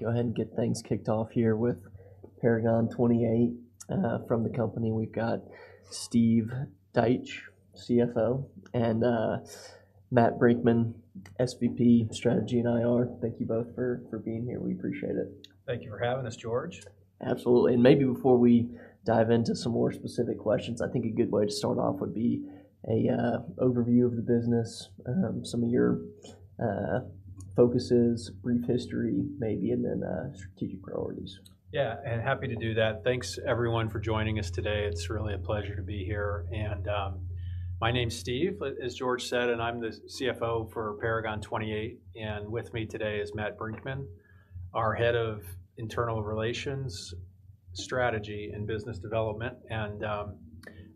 Go ahead and get things kicked off here with Paragon 28. From the company, we've got Steve Deitsch, CFO, and Matt Brinckman, SVP, Strategy and IR. Thank you both for being here. We appreciate it. Thank you for having us, George. Absolutely. And maybe before we dive into some more specific questions, I think a good way to start off would be an overview of the business, some of your focuses, brief history maybe, and then strategic priorities. Yeah, and happy to do that. Thanks, everyone, for joining us today. It's really a pleasure to be here. And my name's Steve, as George said, and I'm the CFO for Paragon 28, and with me today is Matt Brinckman, our head of Investor Relations, Strategy, and Business Development. And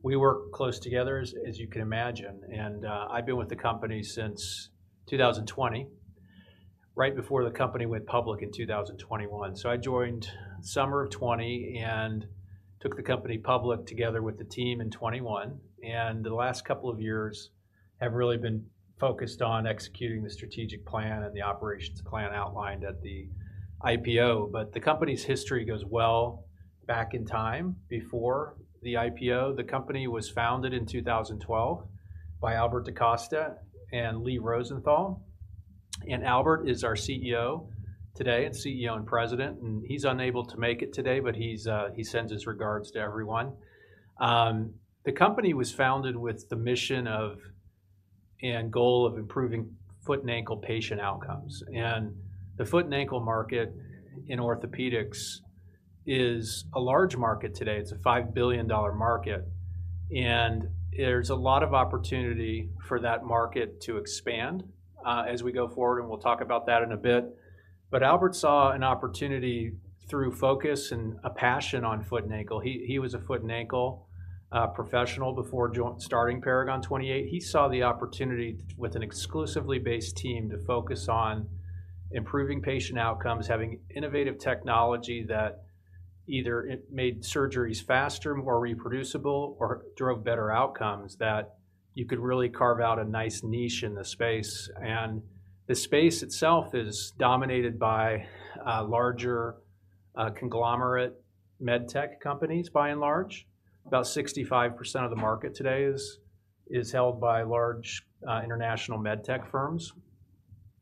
we work close together as you can imagine, and I've been with the company since 2020, right before the company went public in 2021. So I joined summer of 2020 and took the company public together with the team in 2021, and the last couple of years have really been focused on executing the strategic plan and the operations plan outlined at the IPO. But the company's history goes well back in time before the IPO. The company was founded in 2012 by Albert DaCosta and Lee Rosenthal, and Albert is our CEO today, CEO and President, and he's unable to make it today, but he's, he sends his regards to everyone. The company was founded with the mission of, and goal of improving foot and ankle patient outcomes. The foot and ankle market in orthopedics is a large market today. It's a $5 billion market, and there's a lot of opportunity for that market to expand, as we go forward, and we'll talk about that in a bit. But Albert saw an opportunity through focus and a passion on foot and ankle. He was a foot and ankle professional before starting Paragon 28. He saw the opportunity with an exclusively based team to focus on improving patient outcomes, having innovative technology that either it made surgeries faster, more reproducible, or drove better outcomes, that you could really carve out a nice niche in the space. The space itself is dominated by larger conglomerate med tech companies by and large. About 65% of the market today is held by large international med tech firms,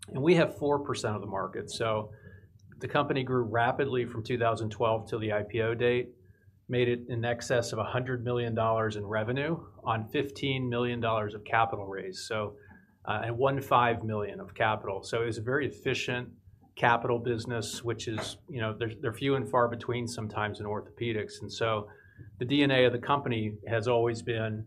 and we have 4% of the market. The company grew rapidly from 2012 till the IPO date, made it in excess of $100 million in revenue on $15 million of capital raised, so, and $1 million-$5 million of capital. It was a very efficient capital business, which is, you know, they're few and far between, sometimes in orthopedics. So the DNA of the company has always been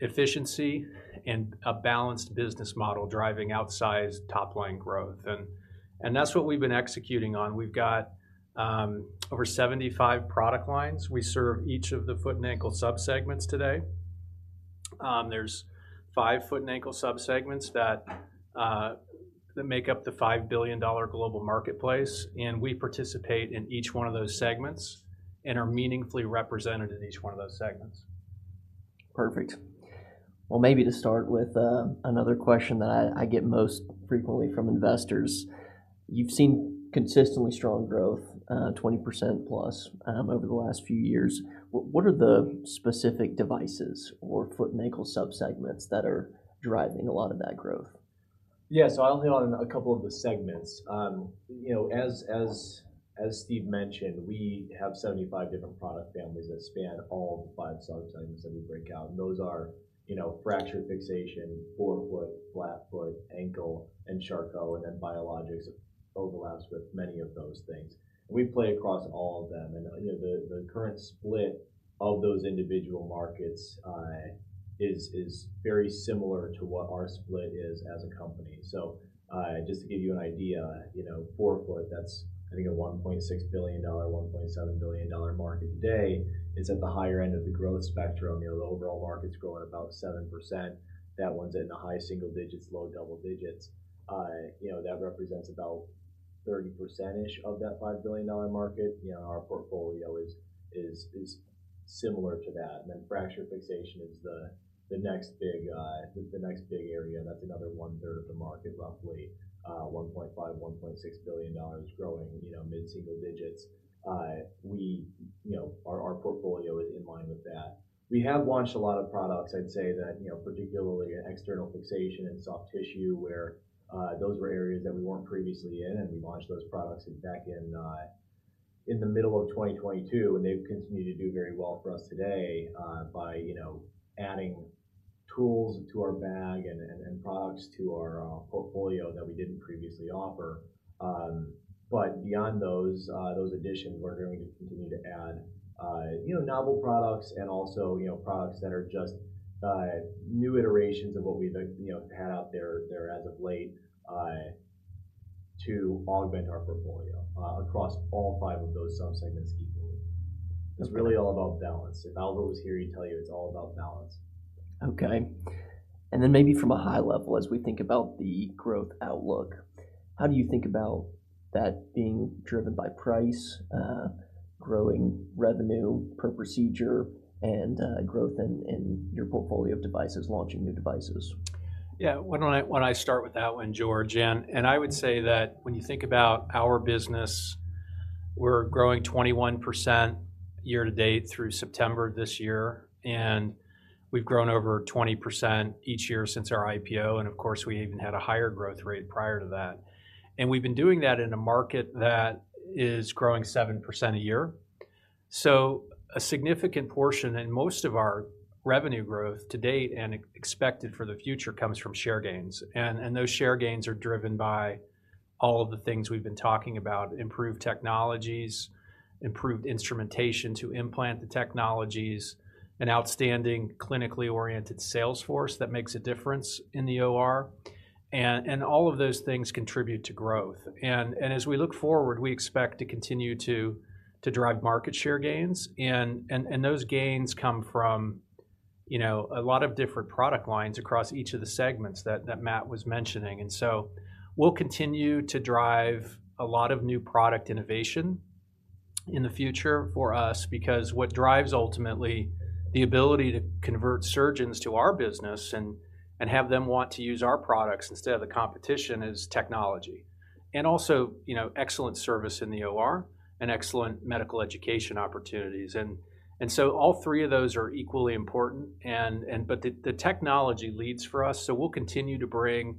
efficiency and a balanced business model, driving outsized top-line growth. And that's what we've been executing on. We've got over 75 product lines. We serve each of the foot and ankle subsegments today. There's five foot and ankle subsegments that make up the $5 billion global marketplace, and we participate in each one of those segments and are meaningfully represented in each one of those segments. Perfect. Well, maybe to start with, another question that I get most frequently from investors. You've seen consistently strong growth, 20% plus, over the last few years. What are the specific devices or foot and ankle subsegments that are driving a lot of that growth? Yeah, so I'll hit on a couple of the segments. You know, as Steve mentioned, we have 75 different product families that span all the five subsegments that we break out, and those are, you know, fracture fixation, forefoot, flat foot, ankle, and Charcot, and then biologics overlaps with many of those things. We play across all of them. And, you know, the current split of those individual markets is very similar to what our split is as a company. So, just to give you an idea, you know, forefoot, that's, I think, a $1.6 billion-$1.7 billion market today. It's at the higher end of the growth spectrum. You know, the overall market's growing about 7%. That one's in the high single digits, low double digits. You know, that represents about 30%-ish of that $5 billion market. You know, our portfolio is similar to that. And then fracture fixation is the next big area, and that's another one-third of the market, roughly, $1.5-$1.6 billion, growing, you know, mid-single digits. You know, our portfolio is in line with that. We have launched a lot of products. I'd say that, you know, particularly in external fixation and soft tissue, where those were areas that we weren't previously in, and we launched those products back in the middle of 2022, and they've continued to do very well for us today, by, you know, adding tools to our bag and products to our portfolio that we didn't previously offer. But beyond those additions, we're going to continue to add, you know, novel products and also, you know, products that are just new iterations of what we've, you know, had out there as of late to augment our portfolio across all five of those subsegments equally. Okay. It's really all about balance. If Albert was here, he'd tell you it's all about balance. Okay. And then maybe from a high level, as we think about the growth outlook, how do you think about that being driven by price, growing revenue per procedure, and growth in your portfolio of devices, launching new devices? Yeah, why don't I start with that one, George? And I would say that when you think about our business, we're growing 21% year to date through September this year, and we've grown over 20% each year since our IPO. And of course, we even had a higher growth rate prior to that. And we've been doing that in a market that is growing 7% a year. So a significant portion, and most of our revenue growth to date, and expected for the future, comes from share gains. And those share gains are driven by all of the things we've been talking about: improved technologies, improved instrumentation to implant the technologies, an outstanding clinically oriented sales force that makes a difference in the OR, and all of those things contribute to growth. And as we look forward, we expect to continue to drive market share gains, and those gains come from, you know, a lot of different product lines across each of the segments that Matt was mentioning. And so we'll continue to drive a lot of new product innovation in the future for us, because what drives, ultimately, the ability to convert surgeons to our business and have them want to use our products instead of the competition, is technology. And also, you know, excellent service in the OR and excellent medical education opportunities. And so all three of those are equally important, and but the technology leads for us, so we'll continue to bring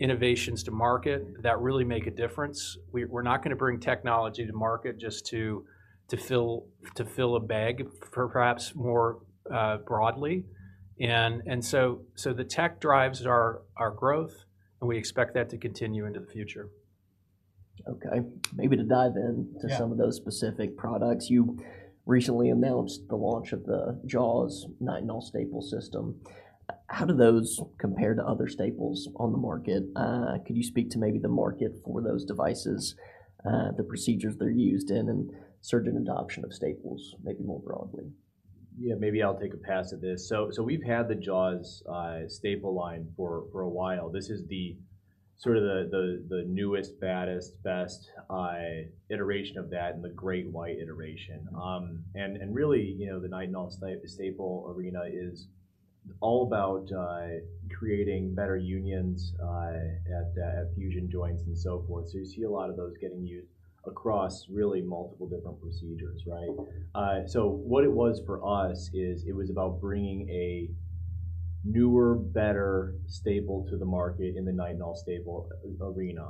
innovations to market that really make a difference. We're not gonna bring technology to market just to fill a bag for perhaps more broadly. And so the tech drives our growth, and we expect that to continue into the future. Okay. Maybe to dive in- Yeah -to some of those specific products. You recently announced the launch of the JAWS Nitinol Staple System. How do those compare to other staples on the market? Could you speak to maybe the market for those devices, the procedures they're used in, and surgeon adoption of staples, maybe more broadly? Yeah, maybe I'll take a pass at this. So we've had the JAWS staple line for a while. This is the sort of the newest, baddest, best iteration of that, and the Great White iteration. And really, you know, the Nitinol staple arena is all about creating better unions at fusion joints and so forth. So you see a lot of those getting used across really multiple different procedures, right? So what it was for us is, it was about bringing a newer, better staple to the market in the Nitinol staple arena.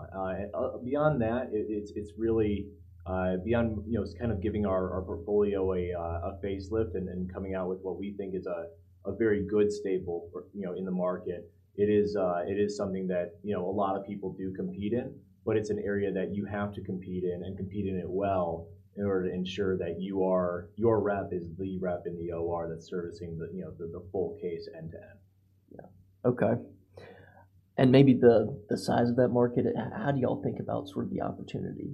Beyond that, it's really beyond, you know, it's kind of giving our portfolio a facelift and then coming out with what we think is a very good staple for, you know, in the market. It is something that, you know, a lot of people do compete in, but it's an area that you have to compete in and compete in it well, in order to ensure that you are. Your rep is the rep in the OR that's servicing the, you know, the full case end-to-end. Yeah. Okay. And maybe the size of that market, how do y'all think about sort of the opportunity?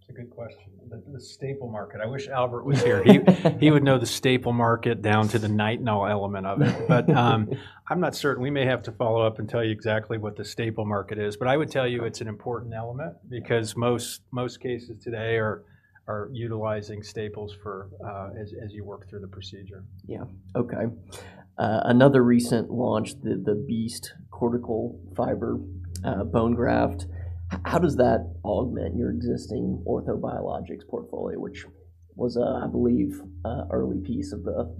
It's a good question. The staple market. I wish Albert was here. He would know the staple market down to the Nitinol element of it. But, I'm not certain. We may have to follow up and tell you exactly what the staple market is, but I would tell you it's an important element, because most cases today are utilizing staples for, as you work through the procedure. Yeah. Okay. Another recent launch, the BEAST Cortical Fiber bone graft. How does that augment your existing orthobiologics portfolio, which was, I believe, an early piece of the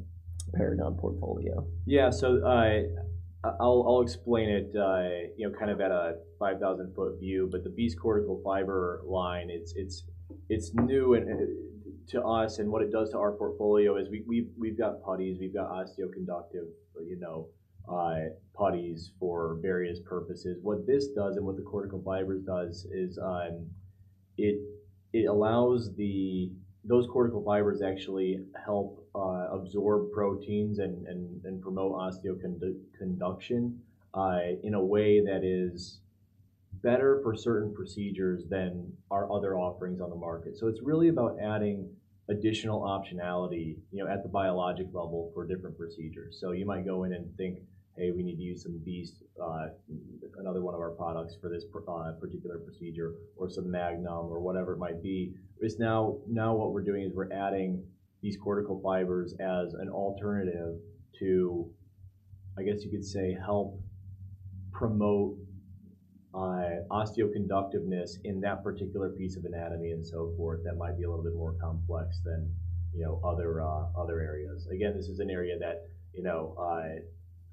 Paragon portfolio? Yeah. So, I'll explain it, you know, kind of at a 5,000-ft view, but the BEAST Cortical Fiber line, it's new and to us, and what it does to our portfolio is we've got putties, we've got osteoconductive, you know, putties for various purposes. What this does and what the cortical fibers does is it allows. Those cortical fibers actually help absorb proteins and promote osteoconduction in a way that is better for certain procedures than our other offerings on the market. So it's really about adding additional optionality, you know, at the biologic level for different procedures. So you might go in and think, "Hey, we need to use some BEAST," another one of our products, "for this particular procedure," or some MAGNUM or whatever it might be. But it's now what we're doing is we're adding these cortical fibers as an alternative to, I guess you could say, help promote osteoconduction in that particular piece of anatomy and so forth, that might be a little bit more complex than, you know, other areas. Again, this is an area that, you know,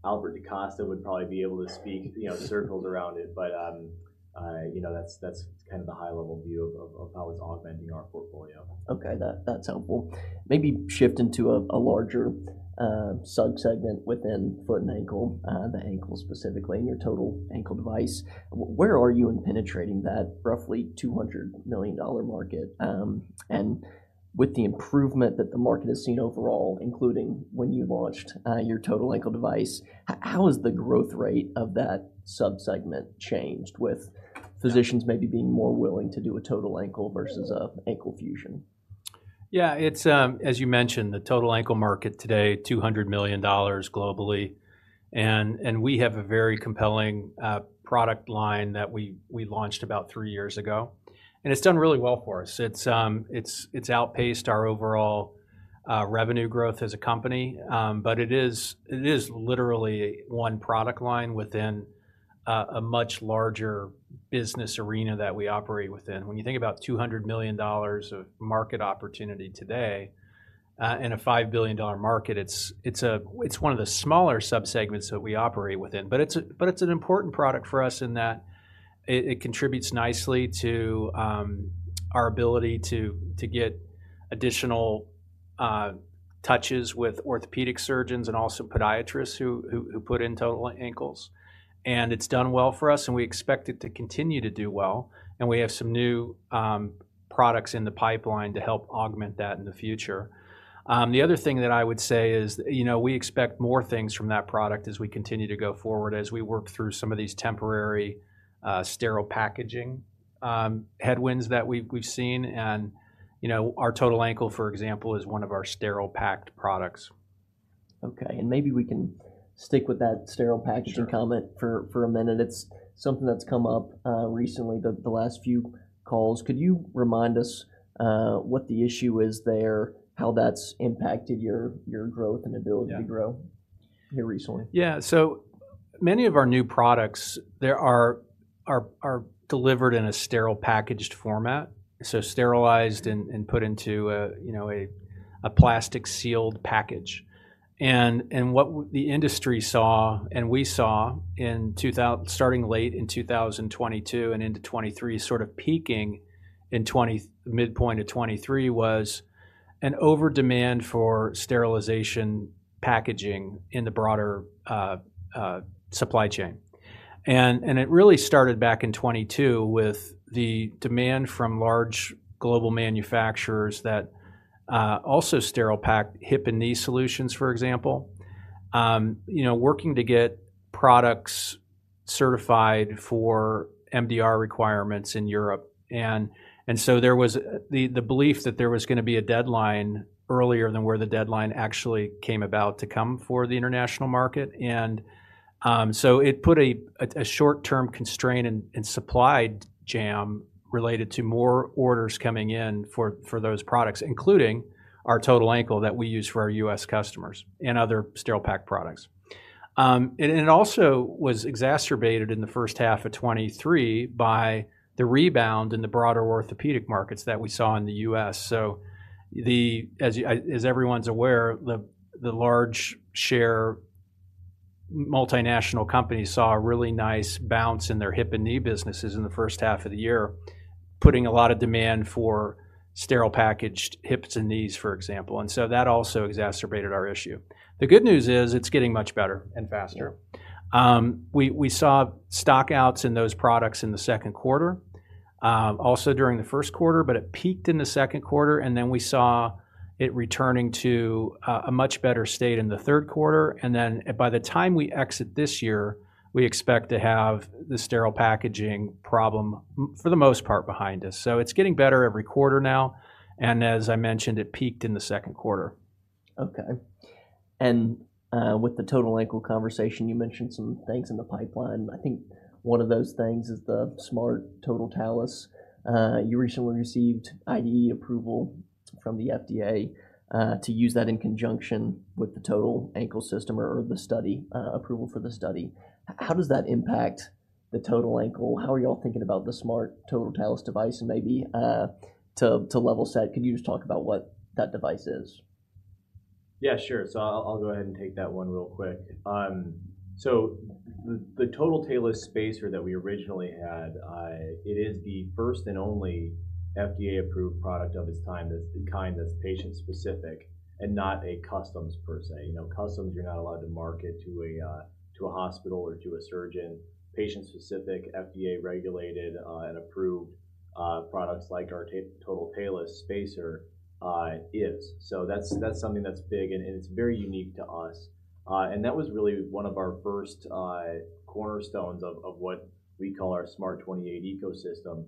Albert DaCosta would probably be able to speak circles around it. But you know, that's kind of the high-level view of how it's augmenting our portfolio. Okay, that, that's helpful. Maybe shifting to a larger subsegment within foot and ankle, the ankle specifically, and your total ankle device. Where are you in penetrating that roughly $200 million market? And with the improvement that the market has seen overall, including when you launched your total ankle device, how has the growth rate of that subsegment changed with physicians maybe being more willing to do a total ankle versus a ankle fusion? Yeah, it's, as you mentioned, the total ankle market today, $200 million globally. And we have a very compelling product line that we launched about three years ago, and it's done really well for us. It's outpaced our overall revenue growth as a company. But it is literally one product line within a much larger business arena that we operate within. When you think about $200 million of market opportunity today, in a $5 billion market, it's a-- it's one of the smaller subsegments that we operate within. But it's an important product for us in that it contributes nicely to our ability to get additional touches with orthopedic surgeons and also podiatrists who put in total ankles. It's done well for us, and we expect it to continue to do well, and we have some new products in the pipeline to help augment that in the future. The other thing that I would say is, you know, we expect more things from that product as we continue to go forward, as we work through some of these temporary sterile packaging headwinds that we've seen. And, you know, our total ankle, for example, is one of our sterile packed products. Okay, and maybe we can stick with that sterile packaging- Sure -comment for a minute. It's something that's come up recently, the last few calls. Could you remind us what the issue is there, how that's impacted your growth and ability- Yeah -to grow here recently? Yeah. So many of our new products, they are delivered in a sterile packaged format, so sterilized and put into a, you know, a plastic sealed package. And what the industry saw, and we saw starting late in 2022 and into 2023, sort of peaking in the mid-point of 2023, was an overdemand for sterilization packaging in the broader supply chain. And it really started back in 2022 with the demand from large global manufacturers that also sterile packed hip and knee solutions, for example. You know, working to get products certified for MDR requirements in Europe. And so there was the belief that there was gonna be a deadline earlier than where the deadline actually came about to come for the international market. So it put a short-term constraint and supply jam related to more orders coming in for those products, including our total ankle that we use for our U.S. customers and other sterile packed products. And it also was exacerbated in the first half of 2023 by the rebound in the broader orthopedic markets that we saw in the U.S. So as everyone's aware, the large share multinational companies saw a really nice bounce in their hip and knee businesses in the first half of the year, putting a lot of demand for sterile packaged hips and knees, for example, and so that also exacerbated our issue. The good news is, it's getting much better and faster. We saw stockouts in those products in the second quarter, also during the first quarter, but it peaked in the second quarter, and then we saw it returning to a much better state in the third quarter. And then by the time we exit this year, we expect to have the sterile packaging problem, for the most part, behind us. So it's getting better every quarter now, and as I mentioned, it peaked in the second quarter. Okay. And, with the total ankle conversation, you mentioned some things in the pipeline. I think one of those things is the SMART Total Talus. You recently received IDE approval from the FDA, to use that in conjunction with the total ankle system or, or the study, approval for the study. How does that impact the total ankle? How are y'all thinking about the SMART Total Talus device? And maybe, to, to level set, could you just talk about what that device is? Yeah, sure. So I'll go ahead and take that one real quick. So the Total Talus Spacer that we originally had, it is the first and only FDA-approved product of its time, that's the kind that's patient-specific and not a customs, per se. You know, customs, you're not allowed to market to a hospital or to a surgeon. Patient-specific, FDA-regulated, and approved products like our Total Talus Spacer is. So that's something that's big, and it's very unique to us. And that was really one of our first cornerstones of what we call our SMART28 ecosystem.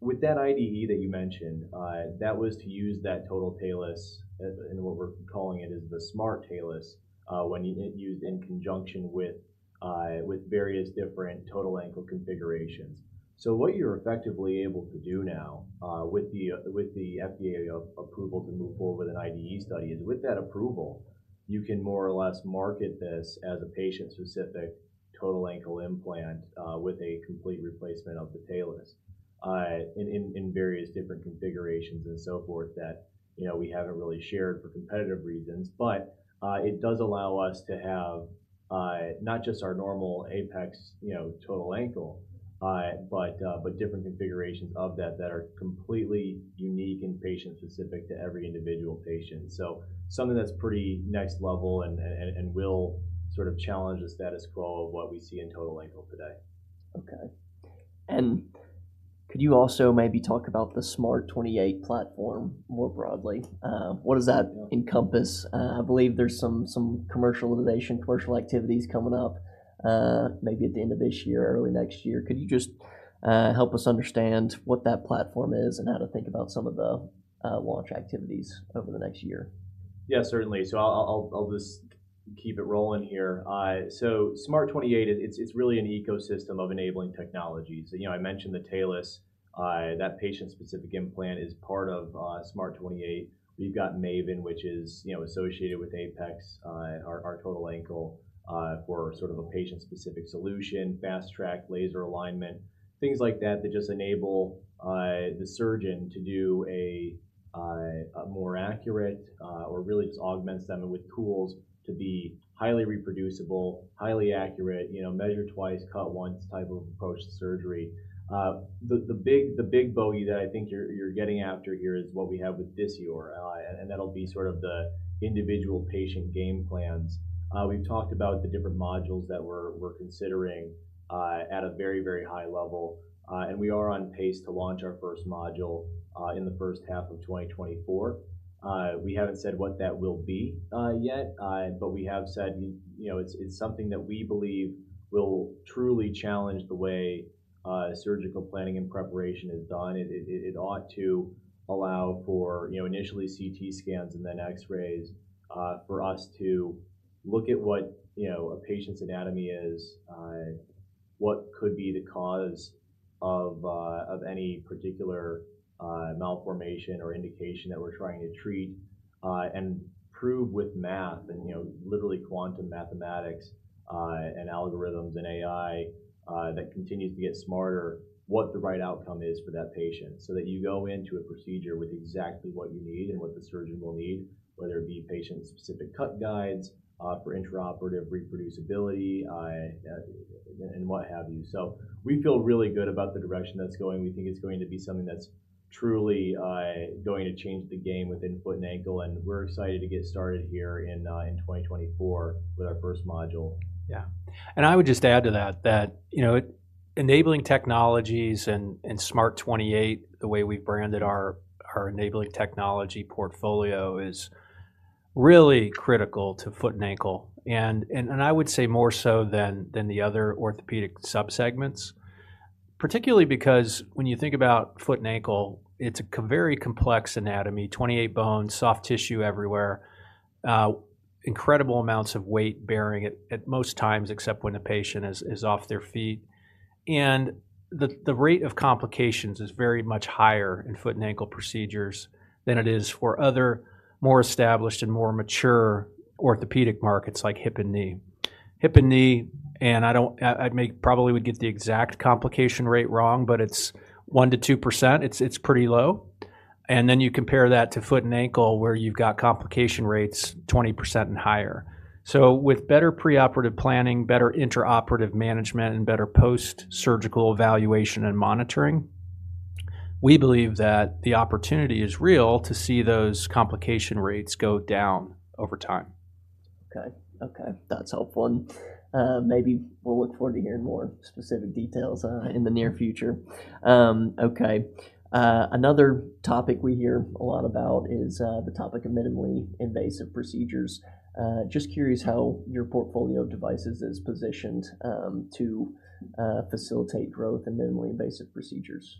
With that IDE that you mentioned, that was to use that Total Talus, and what we're calling it is the SMART Talus, when used in conjunction with various different total ankle configurations. So what you're effectively able to do now, with the FDA approval to move forward with an IDE study, is with that approval, you can more or less market this as a patient-specific total ankle implant, with a complete replacement of the talus, in various different configurations and so forth, that, you know, we haven't really shared for competitive reasons. But it does allow us to have, not just our normal APEX, you know, total ankle, but different configurations of that that are completely unique and patient-specific to every individual patient. So something that's pretty next level and will sort of challenge the status quo of what we see in Total Ankle today. Okay. And could you also maybe talk about the SMART28 platform more broadly? What does that- Yeah - encompass? I believe there's some, some commercialization, commercial activities coming up, maybe at the end of this year or early next year. Could you just help us understand what that platform is and how to think about some of the launch activities over the next year? Yeah, certainly. So I'll just keep it rolling here. So SMART28, it's really an ecosystem of enabling technologies. You know, I mentioned the Talus, that patient-specific implant is part of SMART28. We've got MAVEN, which is, you know, associated with APEX, and our total ankle for sort of a patient-specific solution, FASTRAC laser alignment, things like that, that just enable the surgeon to do a more accurate, or really just augments them with tools to be highly reproducible, highly accurate, you know, measure twice, cut once type of approach to surgery. The big bogey that I think you're getting after here is what we have with Disior, and that'll be sort of the individual patient game plans. We've talked about the different modules that we're considering at a very, very high level, and we are on pace to launch our first module in the first half of 2024. We haven't said what that will be yet, but we have said, you know, it's something that we believe will truly challenge the way surgical planning and preparation is done, and it ought to allow for, you know, initially CT scans and then X-rays for us to look at what, you know, a patient's anatomy is, what could be the cause of of any particular malformation or indication that we're trying to treat, and prove with math and, you know, literally quantum mathematics and algorithms and AI that continues to get smarter, what the right outcome is for that patient. So that you go into a procedure with exactly what you need and what the surgeon will need, whether it be patient-specific cut guides, for intraoperative reproducibility, and what have you. So we feel really good about the direction that's going. We think it's going to be something that's truly, going to change the game within foot and ankle, and we're excited to get started here in, in 2024 with our first module. Yeah. And I would just add to that, that, you know, enabling technologies and SMART28, the way we've branded our, our enabling technology portfolio, is really critical to foot and ankle. And I would say more so than the other orthopedic subsegments. Particularly because when you think about foot and ankle, it's a very complex anatomy, 28 bones, soft tissue everywhere, incredible amounts of weight-bearing at most times, except when a patient is off their feet. And the rate of complications is very much higher in foot and ankle procedures than it is for other, more established and more mature orthopedic markets like hip and knee. Hip and knee, and I don't—I may probably would get the exact complication rate wrong, but it's 1%-2%. It's pretty low. And then you compare that to foot and ankle, where you've got complication rates 20% and higher. So with better preoperative planning, better intraoperative management, and better postsurgical evaluation and monitoring, we believe that the opportunity is real to see those complication rates go down over time. Okay. Okay, that's helpful, and, maybe we'll look forward to hearing more specific details, in the near future. Okay. Another topic we hear a lot about is, the topic of minimally invasive procedures. Just curious how your portfolio of devices is positioned, to facilitate growth in minimally invasive procedures.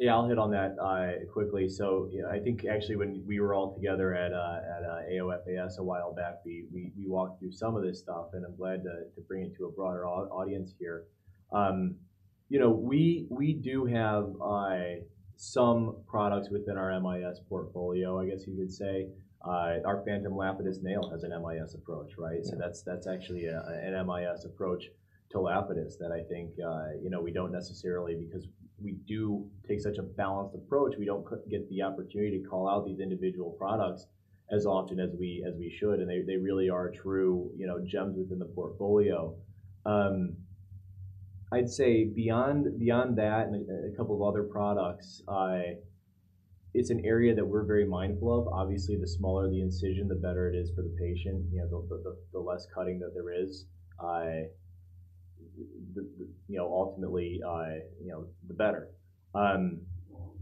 Yeah, I'll hit on that quickly. So, you know, I think actually when we were all together at AOFAS a while back, we walked through some of this stuff, and I'm glad to bring it to a broader audience here. You know, we do have some products within our MIS portfolio, I guess you could say. Our PHANTOM Lapidus Nail has an MIS approach, right? Yeah. So that's actually an MIS approach to Lapidus that I think, you know, we don't necessarily—because we do take such a balanced approach, we don't get the opportunity to call out these individual products as often as we, as we should, and they really are true, you know, gems within the portfolio. I'd say beyond that and a couple of other products, it's an area that we're very mindful of. Obviously, the smaller the incision, the better it is for the patient. You know, the less cutting that there is, the, you know, ultimately, the better.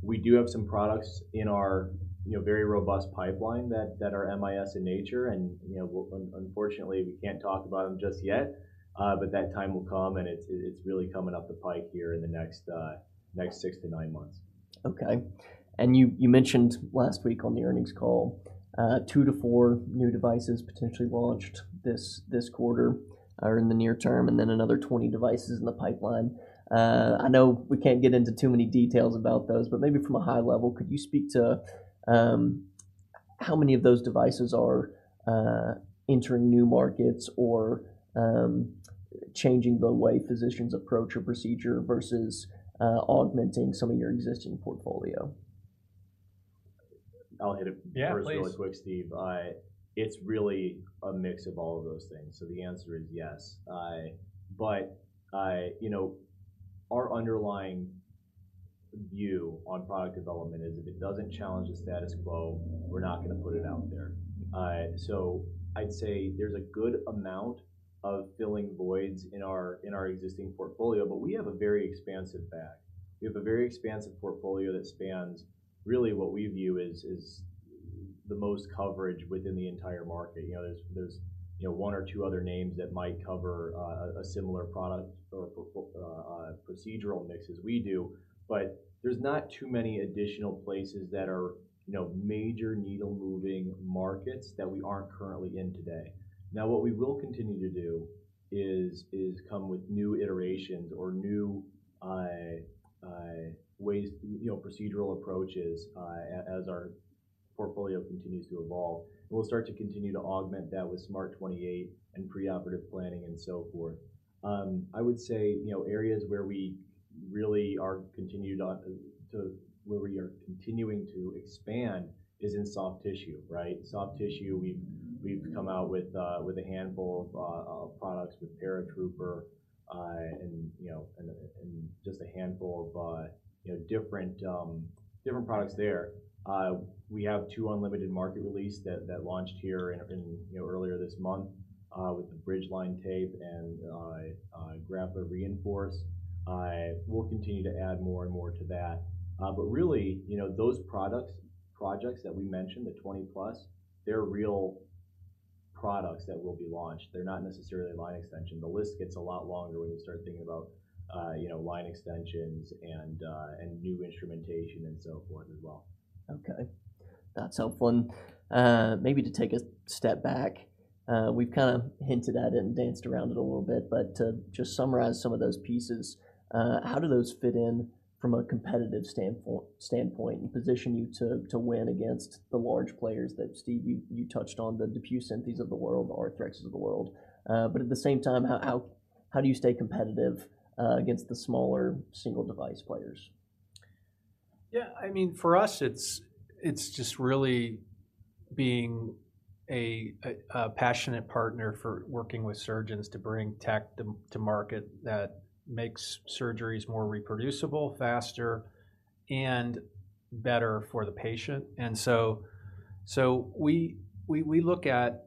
We do have some products in our, you know, very robust pipeline that are MIS in nature, and, you know, unfortunately, we can't talk about them just yet, but that time will come, and it's really coming up the pipe here in the next six to nine months. Okay. And you mentioned last week on the earnings call, two to four new devices potentially launched this quarter or in the near term, and then another 20 devices in the pipeline. I know we can't get into too many details about those, but maybe from a high level, could you speak to how many of those devices are entering new markets or changing the way physicians approach a procedure versus augmenting some of your existing portfolio? I'll hit it- Yeah, please. First really quick, Steve. It's really a mix of all of those things, so the answer is yes. But you know, our underlying view on product development is, if it doesn't challenge the status quo, we're not going to put it out there. So I'd say there's a good amount of filling voids in our existing portfolio, but we have a very expansive bag. We have a very expansive portfolio that spans really what we view as the most coverage within the entire market. You know, there's one or two other names that might cover a similar product or procedural mix as we do, but there's not too many additional places that are major needle-moving markets that we aren't currently in today. Now, what we will continue to do is come with new iterations or new ways, you know, procedural approaches as our portfolio continues to evolve. And we'll start to continue to augment that with SMART28 and preoperative planning, and so forth. I would say, you know, areas where we really are continuing to expand is in soft tissue, right? Soft tissue, we've come out with a handful of products, with Paratrooper, and, you know, and just a handful of different products there. We have two unlimited market release that launched here in, you know, earlier this month, with the Bridgeline Tape and Grappler R3INFORCE. We'll continue to add more and more to that. But really, you know, those products, projects that we mentioned, the 20+, they're real products that will be launched. They're not necessarily line extension. The list gets a lot longer when you start thinking about, you know, line extensions and, and new instrumentation, and so forth as well. Okay, that's helpful. Maybe to take a step back, we've kind of hinted at it and danced around it a little bit, but to just summarize some of those pieces, how do those fit in from a competitive standpoint, standpoint and position you to, to win against the large players that, Steve, you, you touched on, the DePuy Synthes of the world, the Arthrex of the world? But at the same time, how, how, how do you stay competitive against the smaller single device players? Yeah. I mean, for us, it's just really being a passionate partner for working with surgeons to bring tech to market that makes surgeries more reproducible, faster, and better for the patient. And so we look at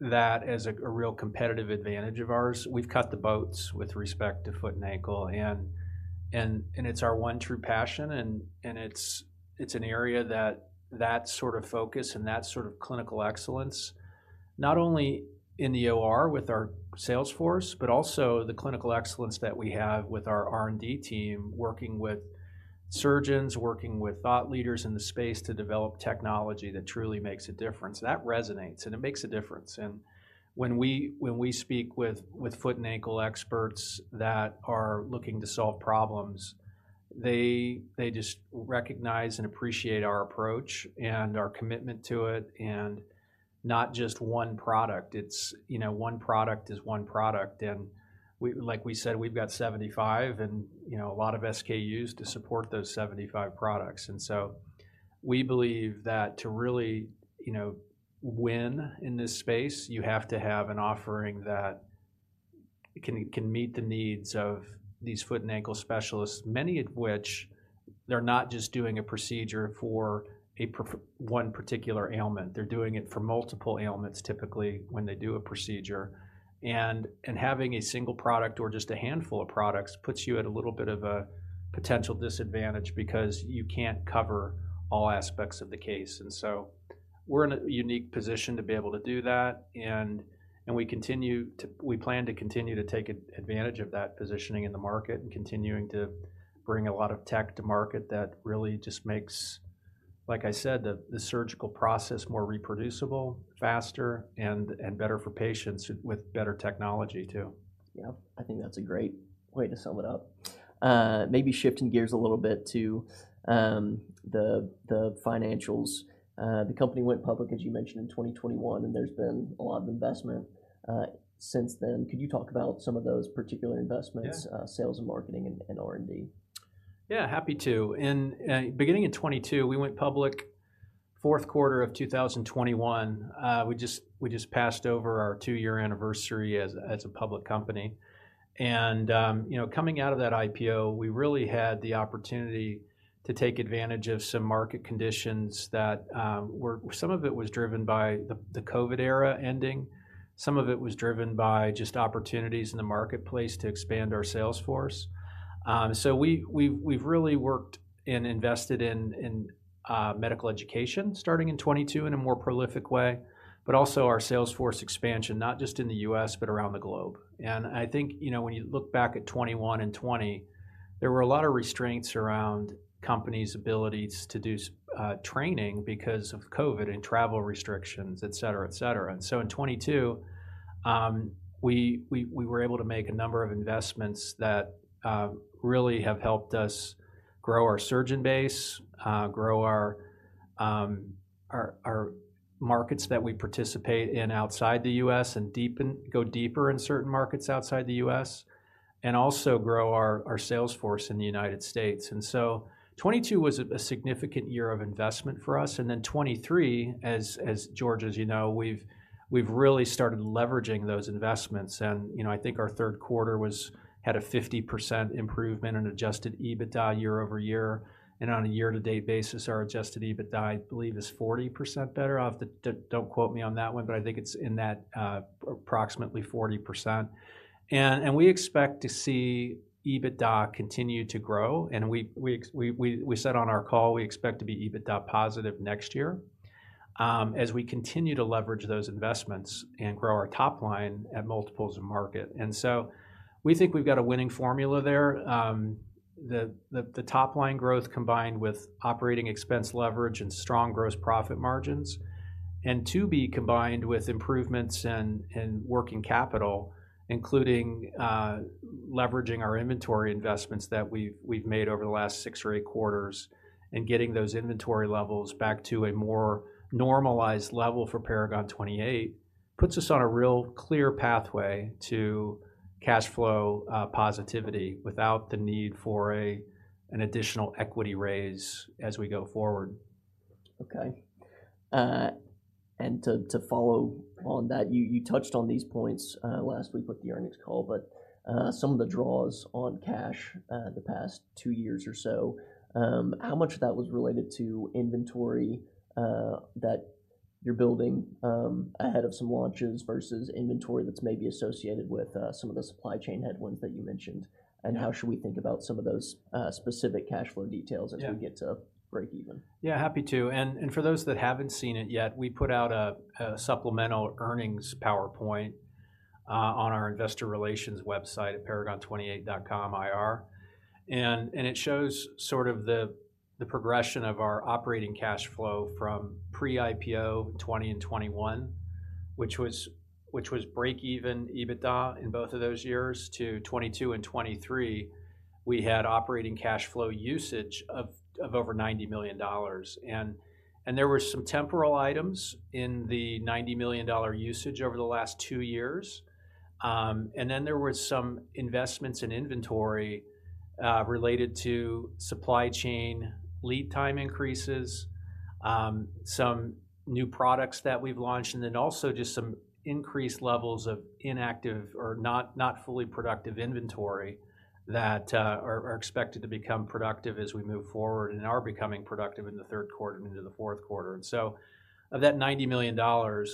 that as a real competitive advantage of ours. We've cut the boats with respect to foot and ankle, and it's our one true passion, and it's an area that sort of focus and that sort of clinical excellence, not only in the OR with our sales force, but also the clinical excellence that we have with our R&D team, working with surgeons, working with thought leaders in the space to develop technology that truly makes a difference. That resonates, and it makes a difference. And when we speak with foot and ankle experts that are looking to solve problems, they just recognize and appreciate our approach and our commitment to it, and not just one product. It's, you know, one product is one product, and like we said, we've got 75 and, you know, a lot of SKUs to support those 75 products. And so we believe that to really, you know, win in this space, you have to have an offering that can meet the needs of these foot and ankle specialists, many of which they're not just doing a procedure for one particular ailment, they're doing it for multiple ailments, typically, when they do a procedure. Having a single product or just a handful of products puts you at a little bit of a potential disadvantage because you can't cover all aspects of the case. We're in a unique position to be able to do that, and we plan to continue to take advantage of that positioning in the market and continuing to bring a lot of tech to market that really just makes, like I said, the surgical process more reproducible, faster, and better for patients with better technology, too. Yeah, I think that's a great way to sum it up. Maybe shifting gears a little bit to the financials. The company went public, as you mentioned, in 2021, and there's been a lot of investment since then. Could you talk about some of those particular Investments- Yeah Sales and Marketing, and, and R&D? Yeah, happy to. In beginning in 2022, we went public fourth quarter of 2021. We just passed over our two-year anniversary as a public company. And, you know, coming out of that IPO, we really had the opportunity to take advantage of some market conditions that were. Some of it was driven by the COVID era ending. Some of it was driven by just opportunities in the marketplace to expand our sales force. So we've really worked and invested in medical education, starting in 2022, in a more prolific way, but also our sales force expansion, not just in the U.S., but around the globe. I think, you know, when you look back at 2021 and 2020, there were a lot of restraints around companies' abilities to do training because of COVID and travel restrictions, et cetera, et cetera. So in 2022, we were able to make a number of investments that really have helped us grow our surgeon base, grow our markets that we participate in outside the U.S., and go deeper in certain markets outside the U.S., and also grow our sales force in the United States. So 2022 was a significant year of investment for us. Then 2023, as George, as you know, we've really started leveraging those investments. You know, I think our third quarter had a 50% improvement in adjusted EBITDA year-over-year, and on a year-to-date basis, our adjusted EBITDA, I believe, is 40% better. I'll have to don't quote me on that one, but I think it's in that approximately 40%. And we expect to see EBITDA continue to grow, and we said on our call, we expect to be EBITDA positive next year, as we continue to leverage those investments and grow our top line at multiples of market. And so we think we've got a winning formula there. The top-line growth combined with operating expense leverage and strong gross profit margins, and EBITDA combined with improvements in working capital, including leveraging our inventory investments that we've made over the last six or eight quarters, and getting those inventory levels back to a more normalized level for Paragon 28, puts us on a real clear pathway to cash flow positivity, without the need for an additional equity raise as we go forward. Okay. And to follow on that, you touched on these points last week with the earnings call, but some of the draws on cash the past two years or so, how much of that was related to inventory that you're building ahead of some launches, versus inventory that's maybe associated with some of the supply chain headwinds that you mentioned? Yeah. How should we think about some of those specific cash flow details? Yeah -as we get to breakeven? Yeah, happy to. And, and for those that haven't seen it yet, we put out a supplemental earnings PowerPoint on our investor relations website at paragon28.com/ir. And, and it shows sort of the progression of our operating cash flow from pre-IPO 2020 and 2021, which was breakeven EBITDA in both of those years, to 2022 and 2023, we had operating cash flow usage of over $90 million. And, and there were some temporal items in the $90 million dollar usage over the last two years. And then there were some investments in inventory, related to supply chain lead time increases, some new products that we've launched, and then also just some increased levels of inactive or not fully productive inventory that are expected to become productive as we move forward, and are becoming productive in the third quarter and into the fourth quarter. So of that $90 million,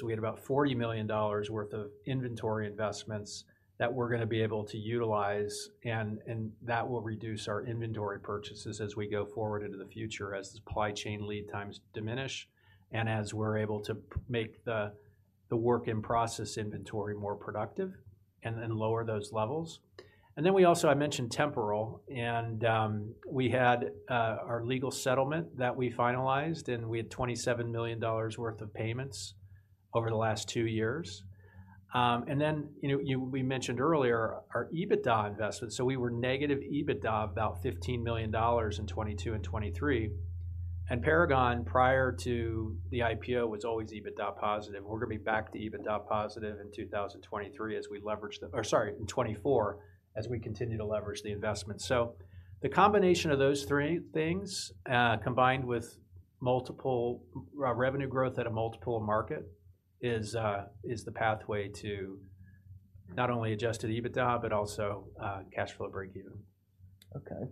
we had about $40 million worth of inventory investments that we're gonna be able to utilize, and that will reduce our inventory purchases as we go forward into the future, as the supply chain lead times diminish, and as we're able to make the work-in-process inventory more productive and then lower those levels. And then we also, I mentioned temporal, and we had our legal settlement that we finalized, and we had $27 million worth of payments over the last two years. And then, you know, we mentioned earlier our EBITDA investments, so we were negative EBITDA, about $15 million in 2022 and 2023. And Paragon, prior to the IPO, was always EBITDA positive. We're gonna be back to EBITDA positive in 2023 as we leverage the, or sorry, in 2024, as we continue to leverage the investment. So the combination of those three things, combined with multiple revenue growth at a multiple of market, is the pathway to not only adjusted EBITDA, but also cash flow breakeven. Okay.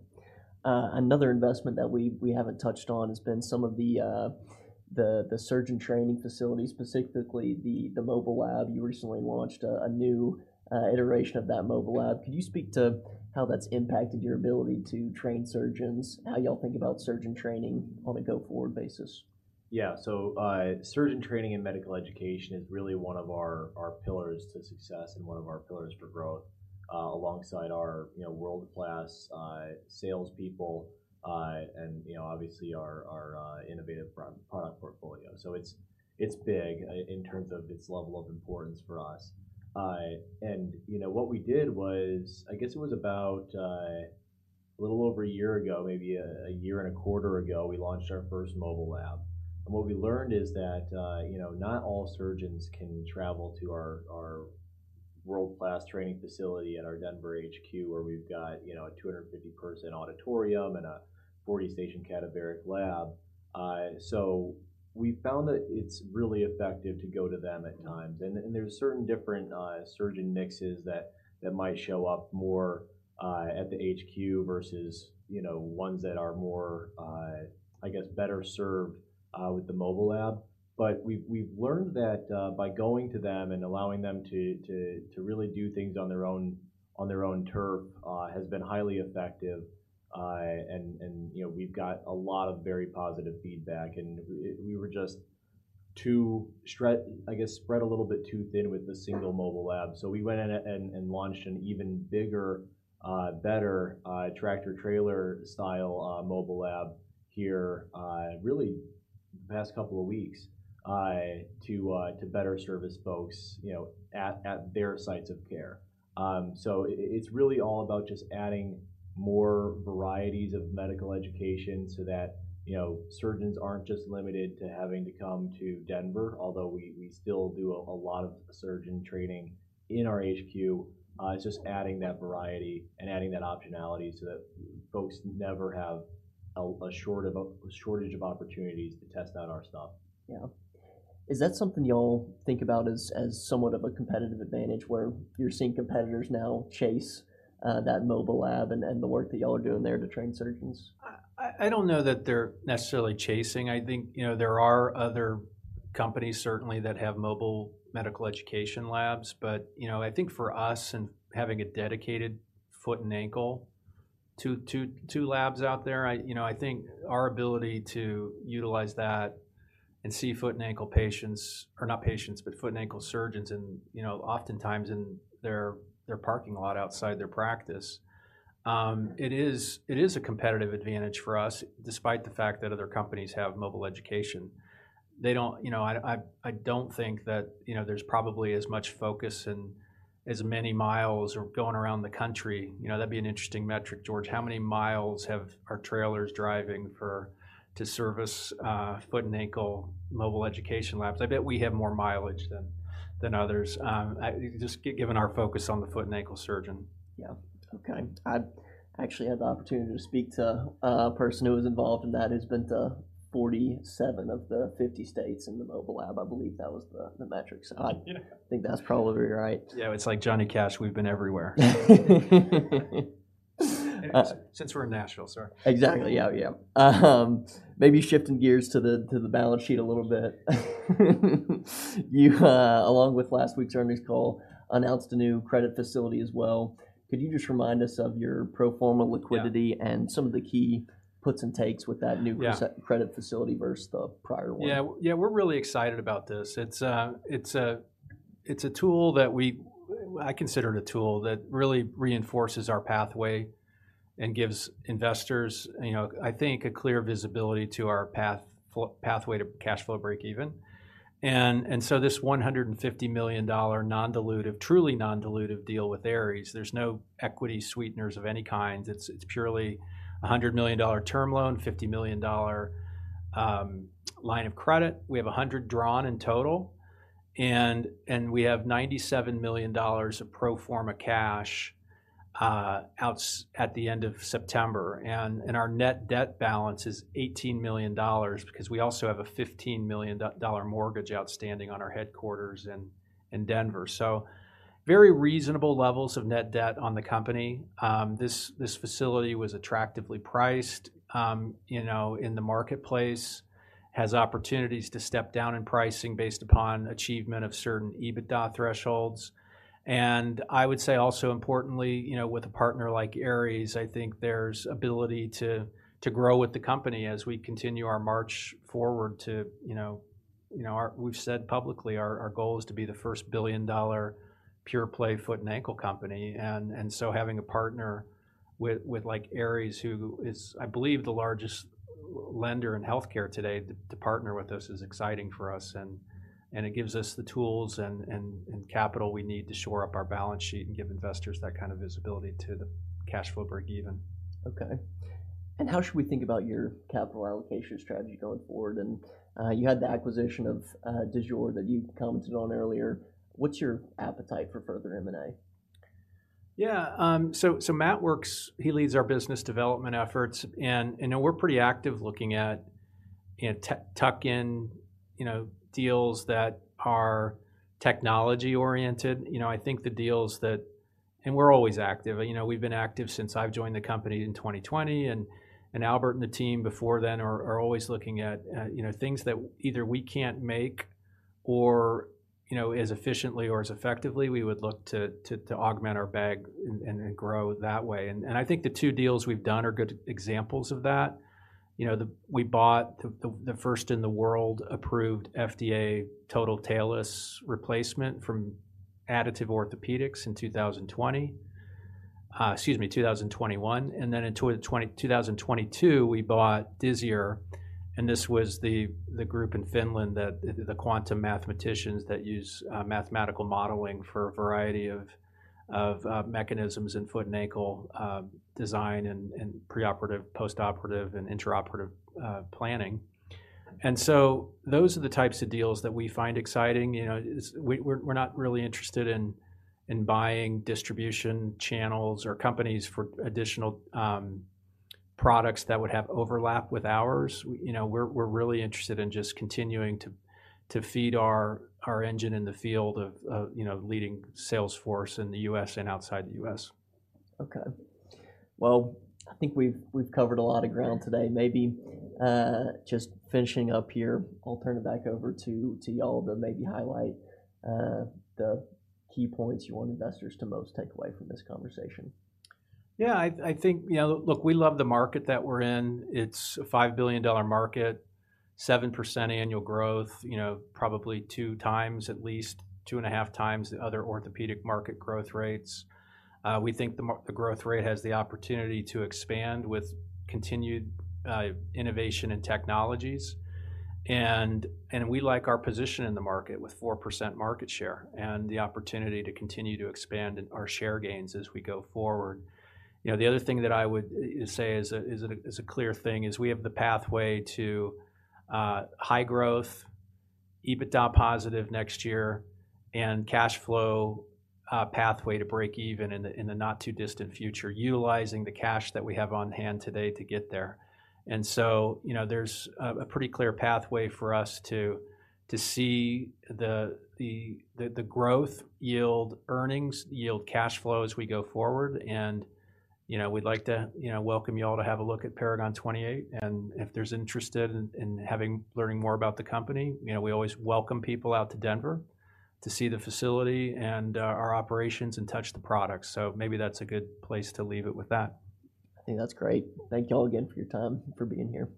Another investment that we haven't touched on has been some of the surgeon training facilities, specifically the mobile lab. You recently launched a new iteration of that mobile lab. Could you speak to how that's impacted your ability to train surgeons, how y'all think about surgeon training on a go-forward basis? Yeah. So, surgeon training and medical education is really one of our pillars to success and one of our pillars for growth, alongside our, you know, world-class salespeople, and, you know, obviously our innovative product portfolio. So it's big in terms of its level of importance for us. And, you know, what we did was, I guess it was about a little over a year ago, maybe a year and a quarter ago, we launched our first mobile lab. And what we learned is that, you know, not all surgeons can travel to our world-class training facility at our Denver HQ, where we've got, you know, a 250-person auditorium and a 40-station cadaveric lab. So we found that it's really effective to go to them at times. There's certain different surgeon mixes that might show up more at the HQ versus, you know, ones that are more, I guess, better served with the mobile lab. But we've learned that by going to them and allowing them to really do things on their own, on their own turf has been highly effective. And, you know, we've got a lot of very positive feedback, and we were just too spread a little bit too thin with the single mobile lab. So we went and launched an even bigger, better tractor trailer style mobile lab here really the past couple of weeks to better service folks, you know, at their sites of care. So it's really all about just adding more varieties of medical education so that, you know, surgeons aren't just limited to having to come to Denver, although we still do a lot of surgeon training in our HQ. It's just adding that variety and adding that optionality, so that folks never have a shortage of opportunities to test out our stuff. Yeah. Is that something y'all think about as, as somewhat of a competitive advantage, where you're seeing competitors now chase, that mobile lab and, and the work that y'all are doing there to train surgeons? I don't know that they're necessarily chasing. I think, you know, there are other companies, certainly, that have mobile medical education labs. But, you know, I think for us, and having a dedicated foot and ankle two labs out there. You know, I think our ability to utilize that and see foot and ankle patients, or not patients, but foot and ankle surgeons, and, you know, oftentimes in their parking lot outside their practice. It is a competitive advantage for us, despite the fact that other companies have mobile education. They don't, you know, I don't think that, you know, there's probably as much focus and as many miles going around the country. You know, that'd be an interesting metric, George: how many miles have our trailers driving for to service foot and ankle mobile education labs? I bet we have more mileage than others. Just given our focus on the foot and ankle surgeon. Yeah. Okay. I actually had the opportunity to speak to a person who was involved in that, who's been to 47 of the 50 states in the mobile lab. I believe that was the metric, so I- Yeah -think that's probably right. Yeah, it's like Johnny Cash, we've been everywhere. Since we're in Nashville, sorry. Exactly. Yeah, yeah. Maybe shifting gears to the balance sheet a little bit. You, along with last week's earnings call, announced a new credit facility as well. Could you just remind us of your pro forma liquidity- Yeah -and some of the key puts and takes with that new- Yeah -credit facility versus the prior one? Yeah, yeah, we're really excited about this. It's a tool that I consider it a tool that really reinforces our pathway and gives investors, you know, I think, a clear visibility to our pathway to cash flow breakeven. And so this $150 million non-dilutive, truly non-dilutive deal with Ares, there's no equity sweeteners of any kind. It's purely a $100 million term loan, $50 million line of credit. We have 100 drawn in total, and we have $97 million of pro forma cash at the end of September. And our net debt balance is $18 million, because we also have a $15 million mortgage outstanding on our headquarters in Denver. So very reasonable levels of net debt on the company. This facility was attractively priced, you know, in the marketplace, has opportunities to step down in pricing based upon achievement of certain EBITDA thresholds. And I would say also importantly, you know, with a partner like Ares, I think there's ability to grow with the company as we continue our march forward to, you know. You know, we've said publicly, our goal is to be the first billion-dollar, pure play, foot and ankle company. And so having a partner like Ares, who is, I believe, the largest lender in healthcare today, to partner with us is exciting for us, and it gives us the tools and capital we need to shore up our balance sheet and give investors that kind of visibility to the cash flow breakeven. Okay. And how should we think about your capital allocation strategy going forward? And, you had the acquisition of Disior that you commented on earlier. What's your appetite for further M&A? Yeah, so Matt works. He leads our business development efforts, and, you know, we're pretty active looking at, you know, tuck in, you know, deals that are technology-oriented. You know, I think the deals that, we're always active. You know, we've been active since I've joined the company in 2020, and Albert and the team before then are always looking at, you know, things that either we can't make or, you know, as efficiently or as effectively, we would look to augment our bag and grow that way. And I think the two deals we've done are good examples of that. You know, we bought the first-in-the-world approved FDA total talus replacement from Additive Orthopedics in 2020, excuse me, 2021. And then in 2022, we bought Disior, and this was the group in Finland that the quantum mathematicians that use mathematical modeling for a variety of mechanisms in foot and ankle design, and preoperative, postoperative, and intraoperative planning. And so those are the types of deals that we find exciting. You know, we, we're, we're not really interested in buying distribution channels or companies for additional products that would have overlap with ours. You know, we're really interested in just continuing to feed our engine in the field of, you know, leading sales force in the U.S. and outside the U.S.. Okay. Well, I think we've covered a lot of ground today. Maybe, just finishing up here, I'll turn it back over to y'all to maybe highlight the key points you want investors to most take away from this conversation. Yeah, I, I think, you know, look, we love the market that we're in. It's a $5 billion market, 7% annual growth, you know, probably 2x, at least 2.5x the other orthopedic market growth rates. We think the growth rate has the opportunity to expand with continued innovation and technologies. And, and we like our position in the market with 4% market share and the opportunity to continue to expand in our share gains as we go forward. You know, the other thing that I would say is a, is a, is a clear thing, is we have the pathway to high growth, EBITDA positive next year, and cash flow pathway to breakeven in the, in the not-too-distant future, utilizing the cash that we have on hand today to get there. You know, there's a pretty clear pathway for us to see the growth yield earnings, yield cash flow as we go forward, and, you know, we'd like to, you know, welcome you all to have a look at Paragon 28. And if there's interest in learning more about the company, you know, we always welcome people out to Denver to see the facility and our operations and touch the products. So maybe that's a good place to leave it with that. I think that's great. Thank you all again for your time, for being here. Thank you.